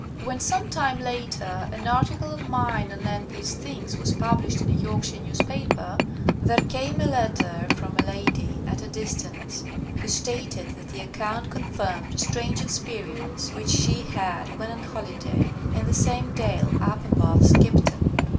"When some time later an article of mine anent these things was published in a York shire newspaper, there came a letter from a 75 THE COMING OF THE FAIRIES lady at a distance who stated that the ac count confirmed a strange experience which she had when on holiday in the same dale up above Skipton.